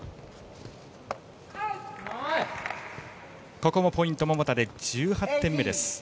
ここもポイント、桃田で１８点目です。